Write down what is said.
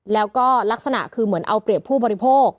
แล้วก็ลักษณะคือเหมือนเอาเปรียบผู้บริโภค